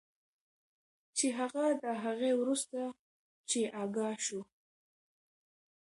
چې هغه د هغې وروسته چې آګاه شو